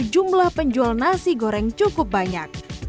jumlah penjual nasi goreng cukup banyak